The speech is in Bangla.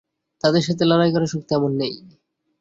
তাদের সাথে লড়াই করার শক্তি আমার নেই।